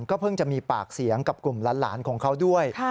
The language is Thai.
เพิ่งจะมีปากเสียงกับกลุ่มหลานของเขาด้วย